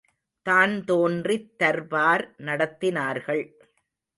தான்தோன்றித் தர்பார் நடத்தினார்கள்.